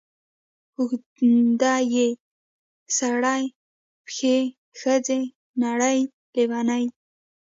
اوږده ې سړې پښې ښځې نرې لېونې